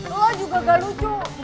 lo juga gak lucu